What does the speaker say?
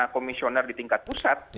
komisioner di tingkat pusat